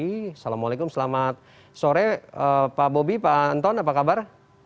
assalamualaikum selamat sore pak bobby pak anton apa kabar